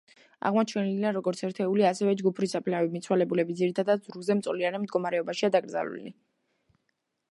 აღმოჩენილია როგორც ერთეული ასევე ჯგუფური საფლავები, მიცვალებულები ძირითადად ზურგზე მწოლიარე მდგომარეობაშია დაკრძალული.